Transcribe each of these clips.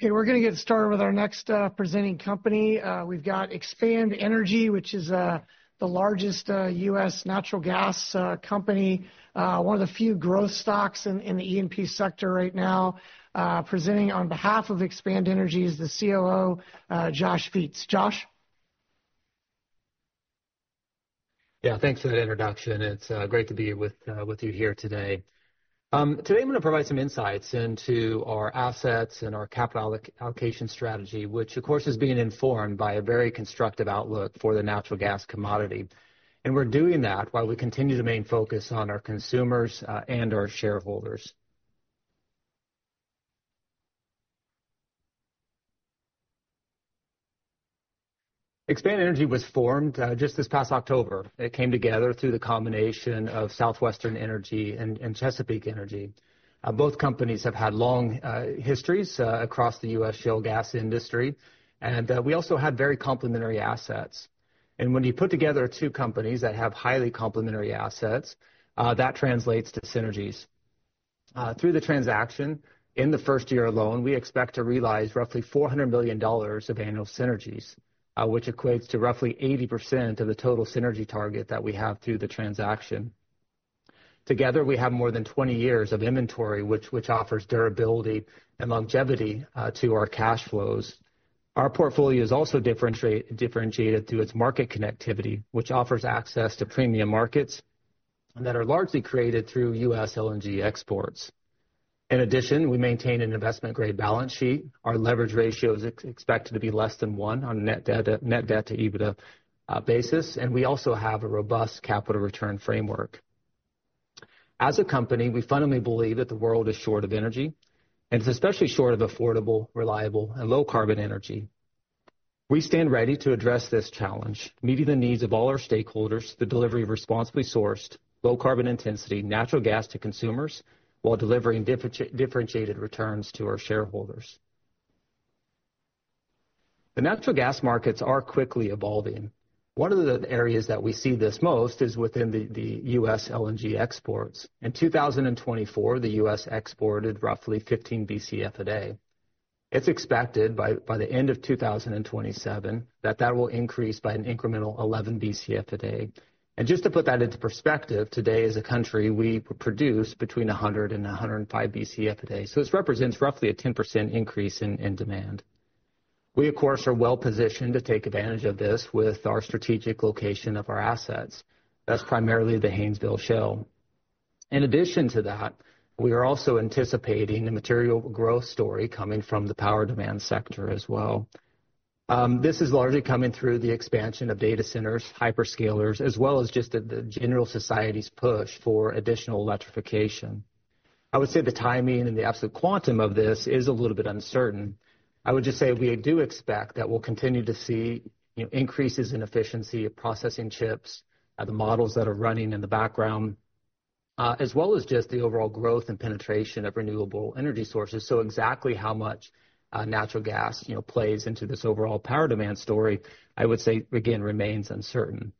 Okay, we're going to get started with our next presenting company. We've got Expand Energy, which is the largest U.S. natural gas company, one of the few growth stocks in the E&P sector right now. Presenting on behalf of Expand Energy is the COO, Josh Viets. Josh? Yeah, thanks for that introduction. It's great to be with you here today. Today I'm going to provide some insights into our assets and our capital allocation strategy, which, of course, is being informed by a very constructive outlook for the natural gas commodity. And we're doing that while we continue to maintain focus on our consumers and our shareholders. Expand Energy was formed just this past October. It came together through the combination of Southwestern Energy and Chesapeake Energy. Both companies have had long histories across the U.S. shale gas industry, and we also had very complementary assets. And when you put together two companies that have highly complementary assets, that translates to synergies. Through the transaction, in the first year alone, we expect to realize roughly $400 million of annual synergies, which equates to roughly 80% of the total synergy target that we have through the transaction. Together, we have more than 20 years of inventory, which offers durability and longevity to our cash flows. Our portfolio is also differentiated through its market connectivity, which offers access to premium markets that are largely created through U.S. LNG exports. In addition, we maintain an investment-grade balance sheet. Our leverage ratio is expected to be less than one on a net debt-to-EBITDA basis, and we also have a robust capital return framework. As a company, we fundamentally believe that the world is short of energy, and it's especially short of affordable, reliable, and low-carbon energy. We stand ready to address this challenge, meeting the needs of all our stakeholders through the delivery of responsibly sourced, low-carbon intensity natural gas to consumers while delivering differentiated returns to our shareholders. The natural gas markets are quickly evolving. One of the areas that we see this most is within the U.S. LNG exports. In 2024, the U.S. exported roughly 15 Bcf a day. It's expected by the end of 2027 that that will increase by an incremental 11 Bcf a day. And just to put that into perspective, today, as a country, we produce between 100 and 105 Bcf a day, so this represents roughly a 10% increase in demand. We, of course, are well positioned to take advantage of this with our strategic location of our assets. That's primarily the Haynesville Shale. In addition to that, we are also anticipating a material growth story coming from the power demand sector as well. This is largely coming through the expansion of data centers, hyperscalers, as well as just the general society's push for additional electrification. I would say the timing and the absolute quantum of this is a little bit uncertain. I would just say we do expect that we'll continue to see increases in efficiency of processing chips, the models that are running in the background, as well as just the overall growth and penetration of renewable energy sources. So exactly how much natural gas plays into this overall power demand story, I would say, again, remains uncertain.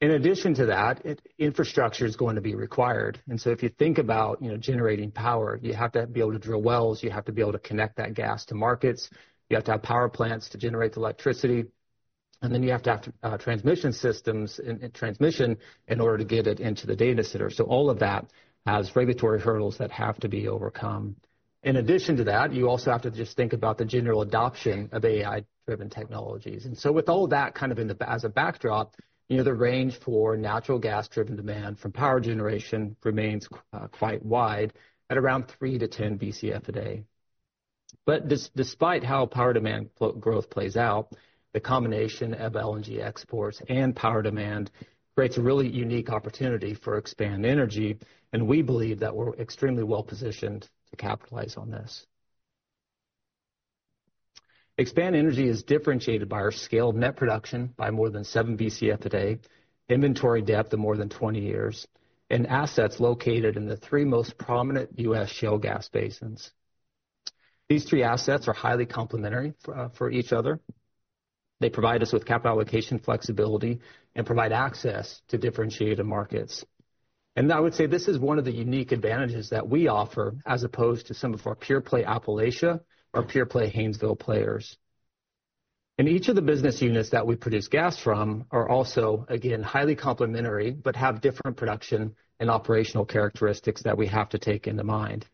In addition to that, infrastructure is going to be required. And so if you think about generating power, you have to be able to drill wells, you have to be able to connect that gas to markets, you have to have power plants to generate the electricity, and then you have to have transmission systems and transmission in order to get it into the data center. So all of that has regulatory hurdles that have to be overcome. In addition to that, you also have to just think about the general adoption of AI-driven technologies. And so with all that kind of as a backdrop, the range for natural gas-driven demand from power generation remains quite wide at around 3 Bcf-10 Bcf a day. But despite how power demand growth plays out, the combination of LNG exports and power demand creates a really unique opportunity for Expand Energy, and we believe that we're extremely well positioned to capitalize on this. Expand Energy is differentiated by our scaled net production by more than 7 Bcf a day, inventory depth of more than 20 years, and assets located in the three most prominent U.S. shale gas basins. These three assets are highly complementary for each other. They provide us with capital allocation flexibility and provide access to differentiated markets. I would say this is one of the unique advantages that we offer as opposed to some of our pure-play Appalachia or pure-play Haynesville players. Each of the business units that we produce gas from are also, again, highly complementary, but have different production and operational characteristics that we have to take into account.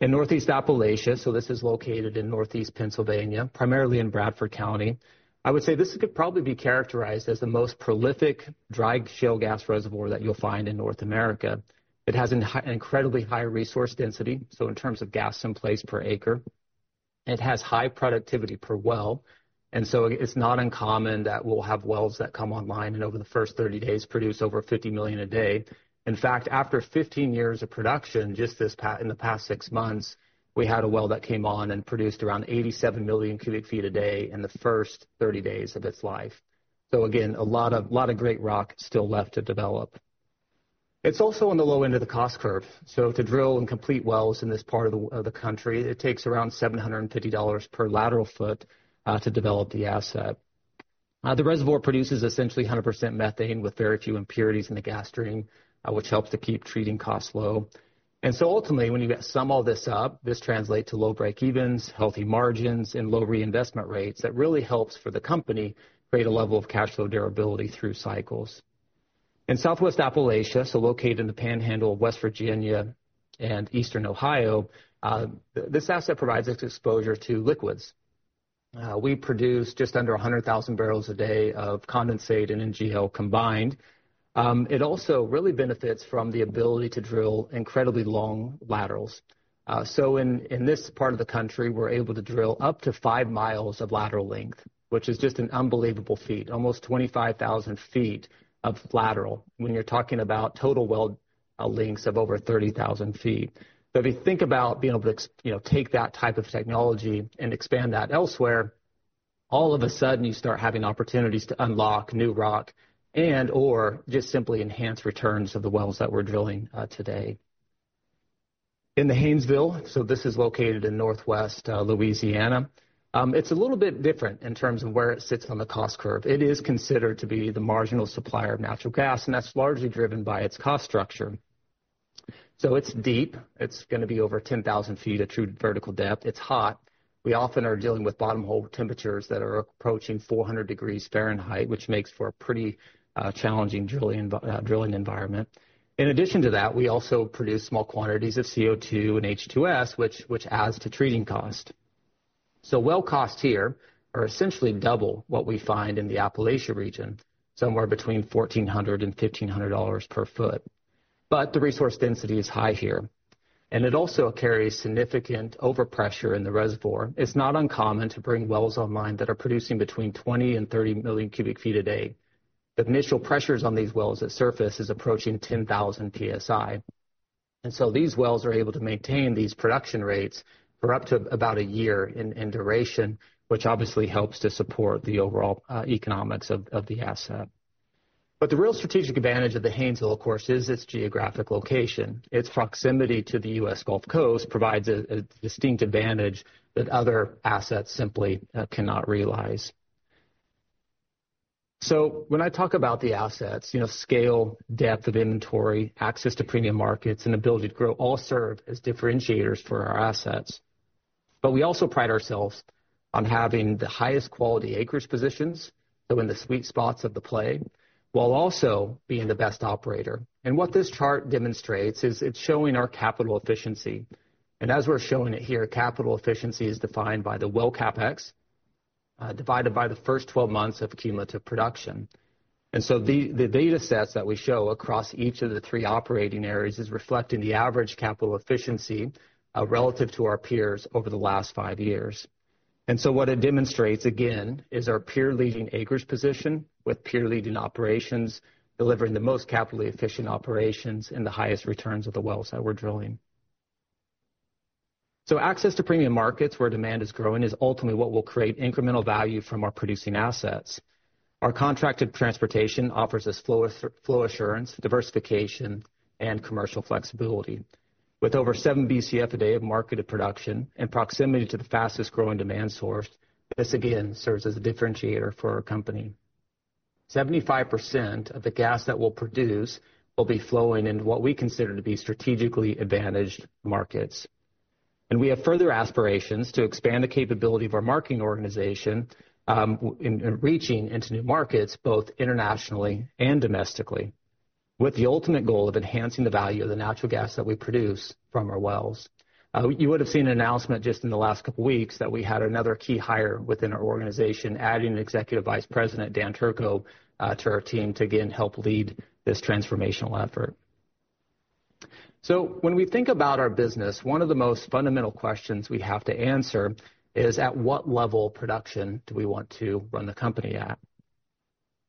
In Northeast Appalachia, so this is located in Northeast Pennsylvania, primarily in Bradford County, I would say this could probably be characterized as the most prolific dry shale gas reservoir that you'll find in North America. It has an incredibly high resource density, so in terms of gas in place per acre. It has high productivity per well. And so it's not uncommon that we'll have wells that come online and over the first 30 days produce over 50 million a day. In fact, after 15 years of production, just in the past six months, we had a well that came on and produced around 87 million cu ft a day in the first 30 days of its life. So again, a lot of great rock still left to develop. It's also on the low end of the cost curve. So to drill and complete wells in this part of the country, it takes around $750 per lateral foot to develop the asset. The reservoir produces essentially 100% methane with very few impurities in the gas stream, which helps to keep treating costs low. And so ultimately, when you sum all this up, this translates to low breakevens, healthy margins, and low reinvestment rates that really helps for the company create a level of cash flow durability through cycles. In Southwest Appalachia, so located in the Panhandle of West Virginia and Eastern Ohio, this asset provides us exposure to liquids. We produce just under 100,000 barrels a day of condensate and NGL combined. It also really benefits from the ability to drill incredibly long laterals. So in this part of the country, we're able to drill up to five miles of lateral length, which is just an unbelievable feat, almost 25,000 ft of lateral when you're talking about total well lengths of over 30,000 ft. So if you think about being able to take that type of technology and expand that elsewhere, all of a sudden you start having opportunities to unlock new rock and/or just simply enhance returns of the wells that we're drilling today. In the Haynesville, so this is located in Northwest Louisiana, it's a little bit different in terms of where it sits on the cost curve. It is considered to be the marginal supplier of natural gas, and that's largely driven by its cost structure. It's deep. It's going to be over 10,000 ft of true vertical depth. It's hot. We often are dealing with bottom hole temperatures that are approaching 400 degrees Fahrenheit, which makes for a pretty challenging drilling environment. In addition to that, we also produce small quantities of CO2 and H2S, which adds to treating cost. Well costs here are essentially double what we find in the Appalachia region, somewhere between $1,400-$1,500 per foot. The resource density is high here. It also carries significant overpressure in the reservoir. It's not uncommon to bring wells online that are producing between 20 and 30 million cu ft a day. The initial pressures on these wells at surface is approaching 10,000 psi. And so these wells are able to maintain these production rates for up to about a year in duration, which obviously helps to support the overall economics of the asset. But the real strategic advantage of the Haynesville, of course, is its geographic location. Its proximity to the U.S. Gulf Coast provides a distinct advantage that other assets simply cannot realize. So when I talk about the assets, scale, depth of inventory, access to premium markets, and ability to grow all serve as differentiators for our assets. But we also pride ourselves on having the highest quality acreage positions, so in the sweet spots of the play, while also being the best operator. And what this chart demonstrates is it's showing our capital efficiency. And as we're showing it here, capital efficiency is defined by the well CapEx divided by the first 12 months of cumulative production. And so the data sets that we show across each of the three operating areas is reflecting the average capital efficiency relative to our peers over the last five years. And so what it demonstrates, again, is our peer-leading acreage position with peer-leading operations delivering the most capital-efficient operations and the highest returns of the wells that we're drilling. So access to premium markets where demand is growing is ultimately what will create incremental value from our producing assets. Our contracted transportation offers us flow assurance, diversification, and commercial flexibility. With over 7 Bcf a day of marketed production and proximity to the fastest growing demand source, this, again, serves as a differentiator for our company. 75% of the gas that we'll produce will be flowing into what we consider to be strategically advantaged markets. We have further aspirations to expand the capability of our marketing organization in reaching into new markets both internationally and domestically, with the ultimate goal of enhancing the value of the natural gas that we produce from our wells. You would have seen an announcement just in the last couple of weeks that we had another key hire within our organization, adding Executive Vice President Dan Turco to our team to, again, help lead this transformational effort. When we think about our business, one of the most fundamental questions we have to answer is at what level of production do we want to run the company at?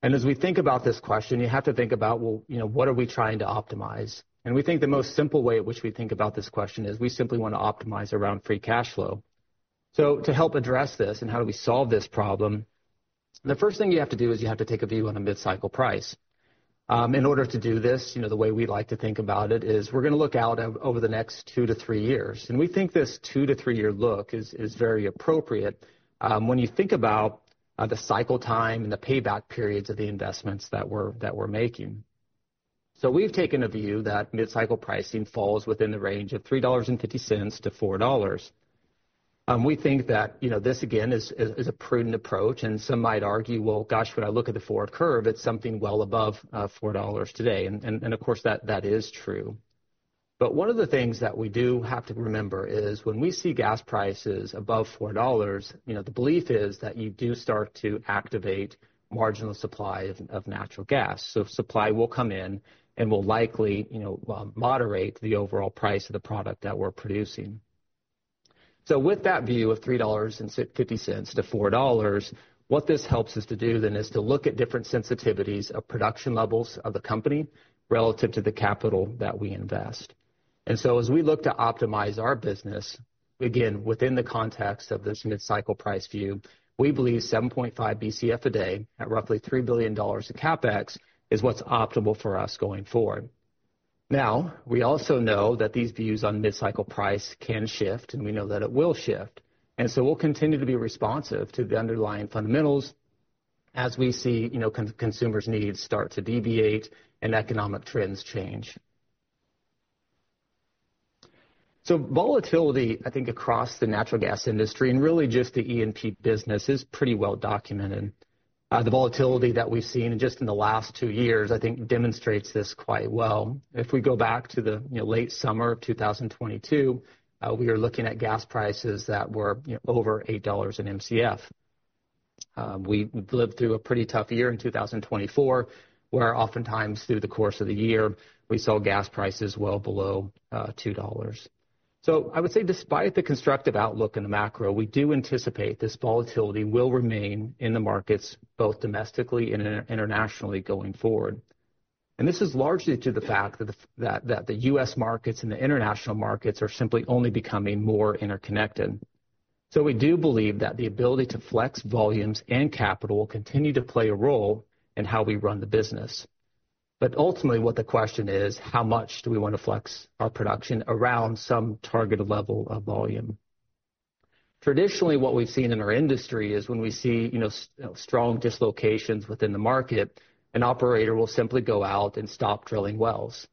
As we think about this question, you have to think about, well, what are we trying to optimize? We think the most simple way at which we think about this question is we simply want to optimize around free cash flow. To help address this and how do we solve this problem, the first thing you have to do is you have to take a view on a mid-cycle price. In order to do this, the way we like to think about it is we're going to look out over the next two to three years. We think this two to three-year look is very appropriate when you think about the cycle time and the payback periods of the investments that we're making. We've taken a view that mid-cycle pricing falls within the range of $3.50-$4. We think that this, again, is a prudent approach. And some might argue, well, gosh, when I look at the forward curve, it's something well above $4 today. And of course, that is true. But one of the things that we do have to remember is when we see gas prices above $4, the belief is that you do start to activate marginal supply of natural gas. So supply will come in and will likely moderate the overall price of the product that we're producing. So with that view of $3.50-$4, what this helps us to do then is to look at different sensitivities of production levels of the company relative to the capital that we invest. And so as we look to optimize our business, again, within the context of this mid-cycle price view, we believe 7.5 Bcf a day at roughly $3 billion in CapEx is what's optimal for us going forward. Now, we also know that these views on mid-cycle price can shift, and we know that it will shift, and so we'll continue to be responsive to the underlying fundamentals as we see consumers' needs start to deviate and economic trends change, so volatility, I think, across the natural gas industry and really just the E&P business is pretty well documented. The volatility that we've seen just in the last two years, I think, demonstrates this quite well. If we go back to the late summer of 2022, we were looking at gas prices that were over $8 an Mcf. We lived through a pretty tough year in 2024, where oftentimes through the course of the year, we saw gas prices well below $2. So I would say despite the constructive outlook in the macro, we do anticipate this volatility will remain in the markets both domestically and internationally going forward. And this is largely due to the fact that the U.S. markets and the international markets are simply only becoming more interconnected. So we do believe that the ability to flex volumes and capital will continue to play a role in how we run the business. But ultimately, what the question is, how much do we want to flex our production around some targeted level of volume? Traditionally, what we've seen in our industry is when we see strong dislocations within the market, an operator will simply go out and stop drilling wells.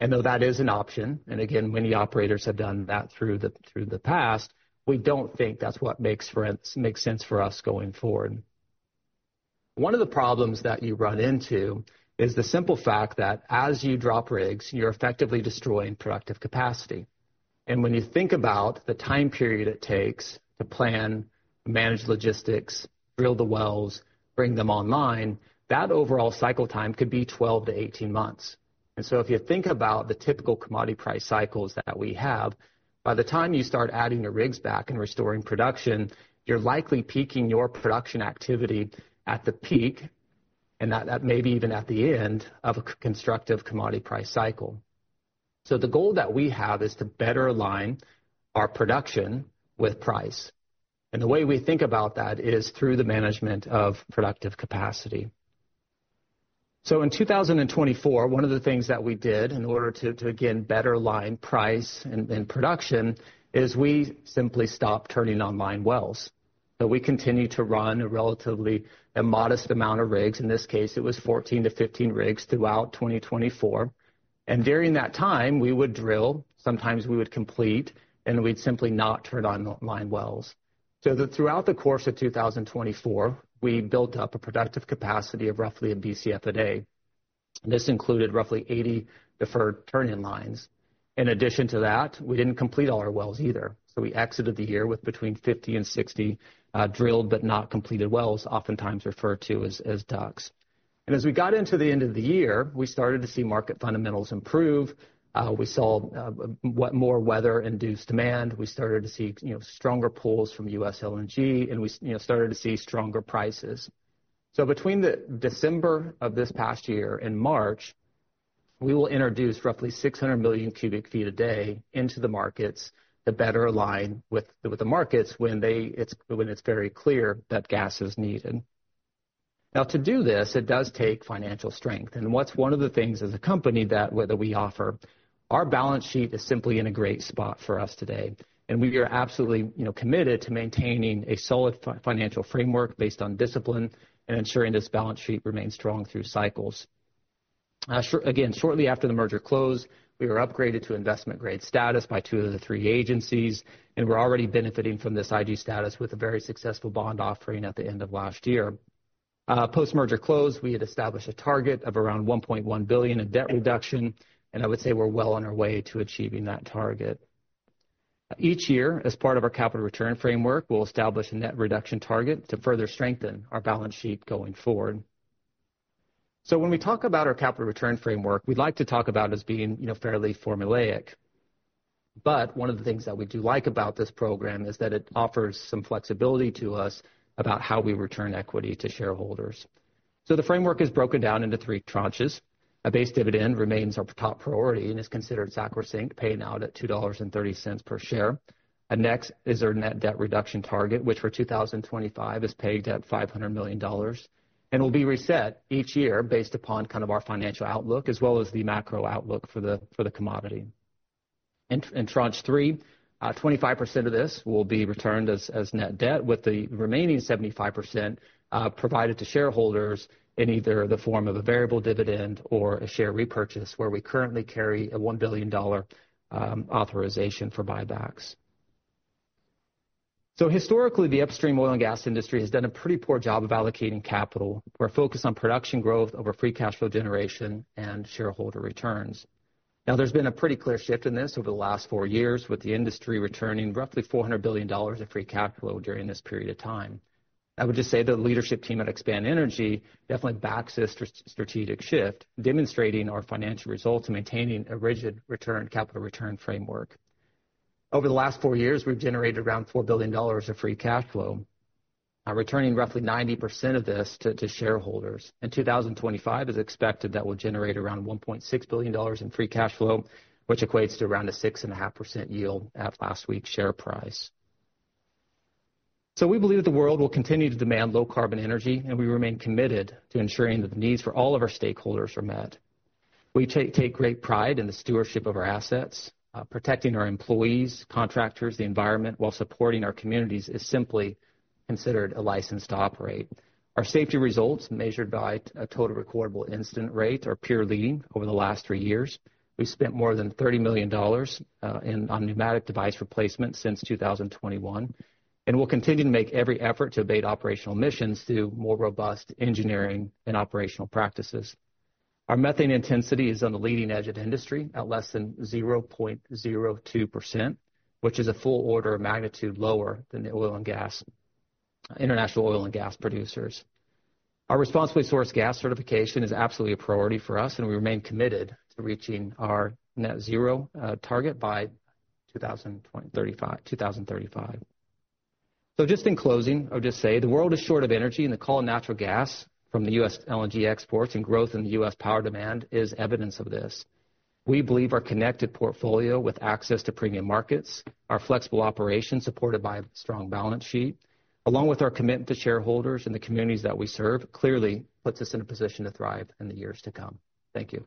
And though that is an option, and again, many operators have done that through the past, we don't think that's what makes sense for us going forward. One of the problems that you run into is the simple fact that as you drop rigs, you're effectively destroying productive capacity, and when you think about the time period it takes to plan, manage logistics, drill the wells, bring them online, that overall cycle time could be 12-18 months, and so if you think about the typical commodity price cycles that we have, by the time you start adding your rigs back and restoring production, you're likely peaking your production activity at the peak, and that may be even at the end of a constructive commodity price cycle, so the goal that we have is to better align our production with price, and the way we think about that is through the management of productive capacity. So in 2024, one of the things that we did in order to, again, better align price and production is we simply stopped turning in-line wells. So we continued to run a relatively modest amount of rigs. In this case, it was 14-15 rigs throughout 2024. And during that time, we would drill, sometimes we would complete, and we'd simply not turn in-line wells. So throughout the course of 2024, we built up a productive capacity of roughly a Bcf a day. This included roughly 80 deferred turn-in-lines. In addition to that, we didn't complete all our wells either. So we exited the year with between 50 and 60 drilled but not completed wells, oftentimes referred to as DUCs. And as we got into the end of the year, we started to see market fundamentals improve. We saw more weather-induced demand. We started to see stronger pulls from U.S. LNG, and we started to see stronger prices. So between December of this past year and March, we will introduce roughly 600 million cu ft a day into the markets to better align with the markets when it's very clear that gas is needed. Now, to do this, it does take financial strength. And what's one of the things as a company that we offer? Our balance sheet is simply in a great spot for us today. And we are absolutely committed to maintaining a solid financial framework based on discipline and ensuring this balance sheet remains strong through cycles. Again, shortly after the merger closed, we were upgraded to investment-grade status by two of the three agencies, and we're already benefiting from this IG status with a very successful bond offering at the end of last year. Post-merger closed, we had established a target of around $1.1 billion in debt reduction, and I would say we're well on our way to achieving that target. Each year, as part of our capital return framework, we'll establish a net reduction target to further strengthen our balance sheet going forward. So when we talk about our capital return framework, we'd like to talk about it as being fairly formulaic. But one of the things that we do like about this program is that it offers some flexibility to us about how we return equity to shareholders. So the framework is broken down into three tranches. A base dividend remains our top priority and is considered sacrosanct, paying out at $2.30 per share. And next is our net debt reduction target, which for 2025 is pegged at $500 million. And it will be reset each year based upon kind of our financial outlook as well as the macro outlook for the commodity. In tranche three, 25% of this will be returned as net debt, with the remaining 75% provided to shareholders in either the form of a variable dividend or a share repurchase, where we currently carry a $1 billion authorization for buybacks. So historically, the upstream oil and gas industry has done a pretty poor job of allocating capital. We're focused on production growth over free cash flow generation and shareholder returns. Now, there's been a pretty clear shift in this over the last four years, with the industry returning roughly $400 billion of free cash flow during this period of time. I would just say that the leadership team at Expand Energy definitely backs this strategic shift, demonstrating our financial results and maintaining a rigid capital return framework. Over the last four years, we've generated around $4 billion of free cash flow, returning roughly 90% of this to shareholders. In 2025, it is expected that we'll generate around $1.6 billion in free cash flow, which equates to around a 6.5% yield at last week's share price. So we believe that the world will continue to demand low carbon energy, and we remain committed to ensuring that the needs for all of our stakeholders are met. We take great pride in the stewardship of our assets. Protecting our employees, contractors, the environment, while supporting our communities is simply considered a license to operate. Our safety results, measured by a total recordable incident rate, are peer-leading over the last three years. We've spent more than $30 million on pneumatic device replacement since 2021, and we'll continue to make every effort to abate operational emissions through more robust engineering and operational practices. Our methane intensity is on the leading edge of the industry at less than 0.02%, which is a full order of magnitude lower than the international oil and gas producers. Our responsibly sourced gas certification is absolutely a priority for us, and we remain committed to reaching our net zero target by 2035, so just in closing, I would just say the world is short of energy, and the call on natural gas from the U.S. LNG exports and growth in the U.S. power demand is evidence of this. We believe our connected portfolio with access to premium markets, our flexible operations supported by a strong balance sheet, along with our commitment to shareholders and the communities that we serve, clearly puts us in a position to thrive in the years to come. Thank you.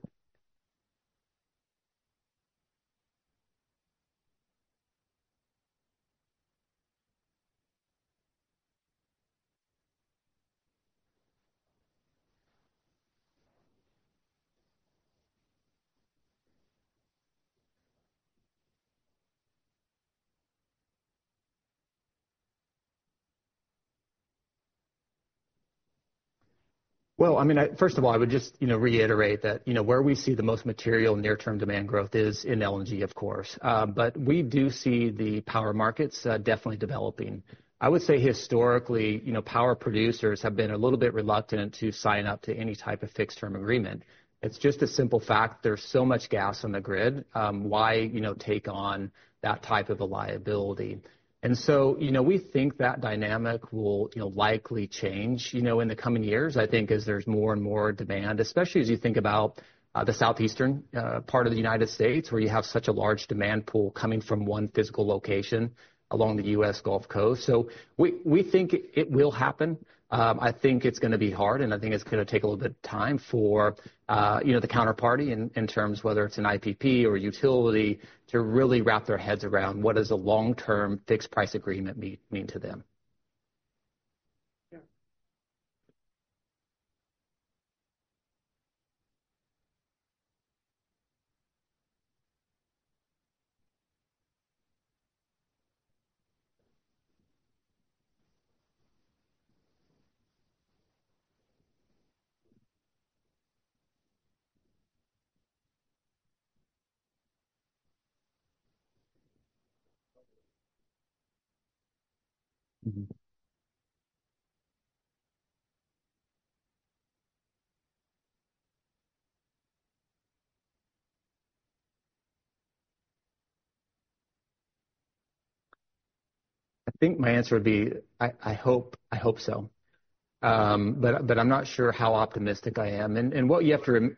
Well, I mean, first of all, I would just reiterate that where we see the most material near-term demand growth is in LNG, of course. But we do see the power markets definitely developing. I would say historically, power producers have been a little bit reluctant to sign up to any type of fixed-term agreement. It's just a simple fact that there's so much gas on the grid. Why take on that type of a liability? And so we think that dynamic will likely change in the coming years, I think, as there's more and more demand, especially as you think about the southeastern part of the United States, where you have such a large demand pool coming from one physical location along the U.S. Gulf Coast, so we think it will happen. I think it's going to be hard, and I think it's going to take a little bit of time for the counterparty in terms of whether it's an IPP or a utility to really wrap their heads around what does a long-term fixed-price agreement mean to them. I think my answer would be, I hope so. But I'm not sure how optimistic I am. And what you have to,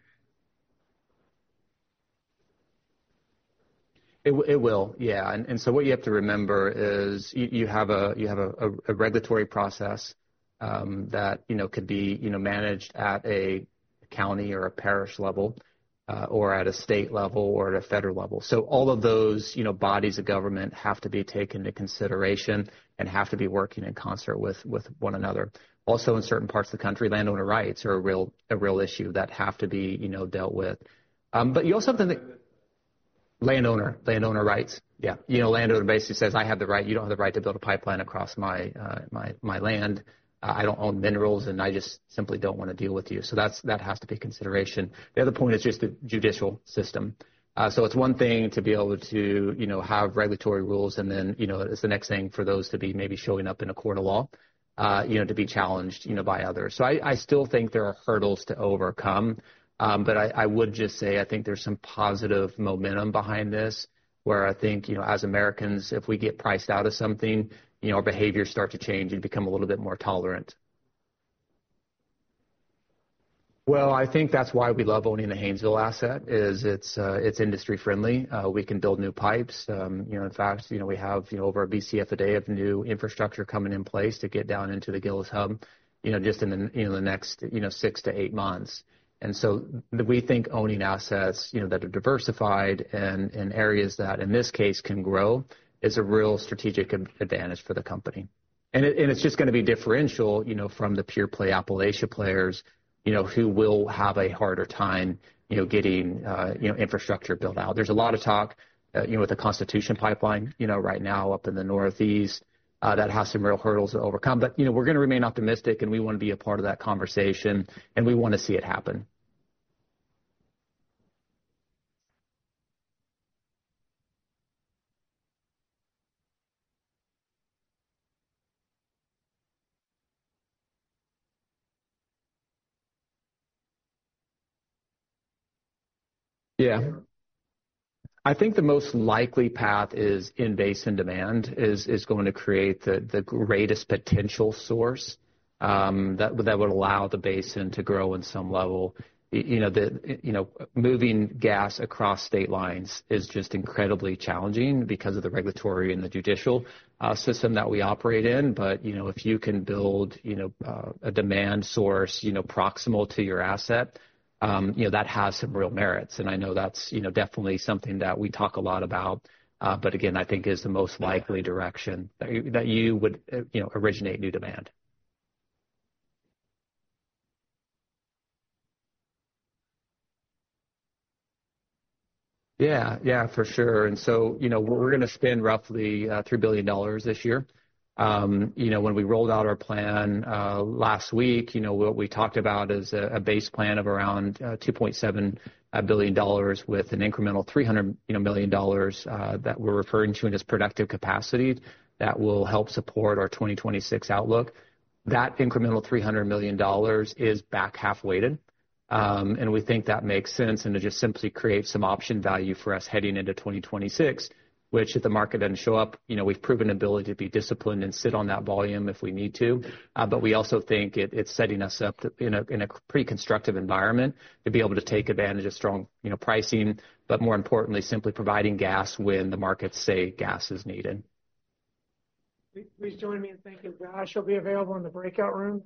it will, yeah. And so what you have to remember is you have a regulatory process that could be managed at a county or a parish level, or at a state level, or at a federal level. So all of those bodies of government have to be taken into consideration and have to be working in concert with one another. Also, in certain parts of the country, landowner rights are a real issue that have to be dealt with. But you also have to. Landowner rights, yeah. Landowner basically says, "I have the right. You don't have the right to build a pipeline across my land. I don't own minerals, and I just simply don't want to deal with you." So that has to be consideration. The other point is just the judicial system. So it's one thing to be able to have regulatory rules, and then it's the next thing for those to be maybe showing up in a court of law to be challenged by others. So I still think there are hurdles to overcome. But I would just say I think there's some positive momentum behind this, where I think as Americans, if we get priced out of something, our behaviors start to change and become a little bit more tolerant. Well, I think that's why we love owning the Haynesville asset, is it's industry-friendly. We can build new pipes. In fact, we have over a Bcf a day of new infrastructure coming in place to get down into the Gillis Hub just in the next six to eight months. And so we think owning assets that are diversified and in areas that, in this case, can grow is a real strategic advantage for the company. And it's just going to be different from the pure-play Appalachia players who will have a harder time getting infrastructure built out. There's a lot of talk with the Constitution Pipeline right now up in the Northeast that has some real hurdles to overcome. But we're going to remain optimistic, and we want to be a part of that conversation, and we want to see it happen. Yeah. I think the most likely path is in basin demand is going to create the greatest potential source that would allow the basin to grow in some level. Moving gas across state lines is just incredibly challenging because of the regulatory and the judicial system that we operate in. But if you can build a demand source proximal to your asset, that has some real merits. And I know that's definitely something that we talk a lot about, but again, I think is the most likely direction that you would originate new demand. Yeah, yeah, for sure. And so we're going to spend roughly $3 billion this year. When we rolled out our plan last week, what we talked about is a base plan of around $2.7 billion with an incremental $300 million that we're referring to in this productive capacity that will help support our 2026 outlook. That incremental $300 million is back half-weighted. And we think that makes sense and to just simply create some option value for us heading into 2026, which, if the market doesn't show up, we've proven the ability to be disciplined and sit on that volume if we need to. But we also think it's setting us up in a pretty constructive environment to be able to take advantage of strong pricing, but more importantly, simply providing gas when the markets say gas is needed. Please join me in thanking Josh. He'll be available in the breakout room.